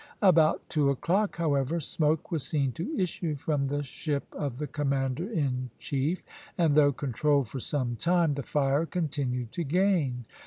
About two o'clock, however, smoke was seen to issue from the ship of the commander in chief, and though controlled for some time, the fire continued to gain.